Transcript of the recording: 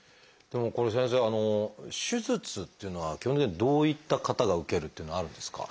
でもこれ先生手術っていうのは基本的にどういった方が受けるっていうのはあるんですか？